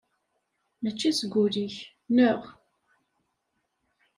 Mačči s wul-ik, neɣ?